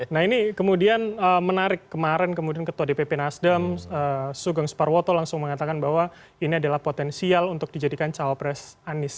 nah ini kemudian menarik kemarin kemudian ketua dpp nasdem sugeng sparwoto langsung mengatakan bahwa ini adalah potensial untuk dijadikan cawapres anies